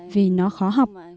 vì nó khó học